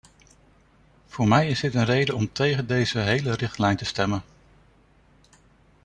Voor mij is dit reden om tegen deze hele richtlijn te stemmen.